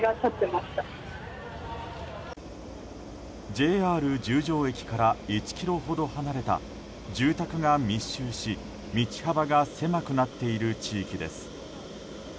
ＪＲ十条駅から１ｋｍほど離れた住宅が密集し道幅が狭くなっている地域です。